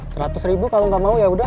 seratus ribu kalau nggak mau yaudah